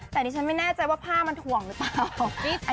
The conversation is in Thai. แต่ดิฉันไม่แน่ใจว่าผ้ามันถ่วงหรือเปล่า